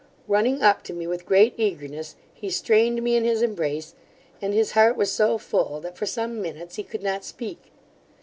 Running up to me, with great eagerness, he strained me in his embrace, and his heart was so full, that for some minutes he could not speak.